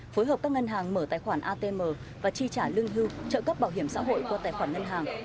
phối hợp các ngân hàng mở tài khoản atm và chi trả lương hưu trợ cấp bảo hiểm xã hội qua tài khoản ngân hàng